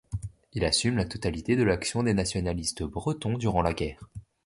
Il assume la totalité de l'action des nationalistes bretons durant la guerre.